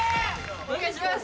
お願いします！